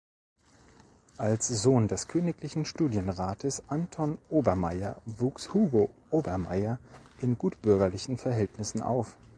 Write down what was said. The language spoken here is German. Als Sohn des Königlichen Studienrates Anton Obermaier wuchs Hugo Obermaier in gutbürgerlichen Verhältnissen auf.